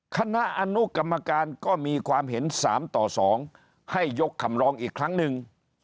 คณะอนุกรรมการก็มีความเห็น๓ต่อ๒ให้ยกคำร้องอีกครั้งหนึ่ง